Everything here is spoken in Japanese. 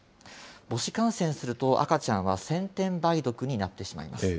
母子感染すると、赤ちゃんは先天梅毒になってしまいます。